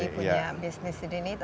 punya bisnis di sini